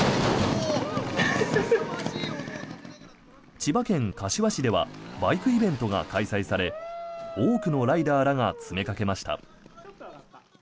千葉県柏市ではバイクイベントが開催され多くのライダーらが詰めかけました。